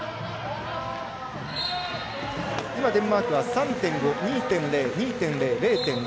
デンマークは３．５、２．０２．０、０．５。